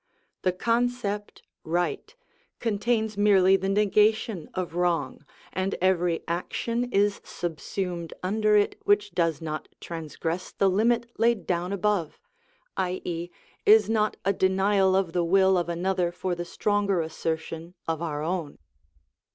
The concept right contains merely the negation of wrong, and every action is subsumed under it which does not transgress the limit laid down above, i.e., is not a denial of the will of another for the stronger assertion of our own.